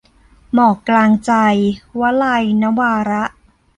หมอกกลางใจ - วลัย นวาระ